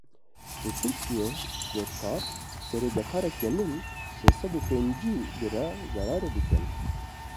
Li Tirkiyeyê cotkar serê dekarek genim sê sed û pêncî lîre zerarê dikin.